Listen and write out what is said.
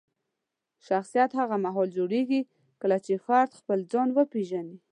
شخصیت هغه مهال جوړېږي کله چې فرد خپل ځان وپیژني.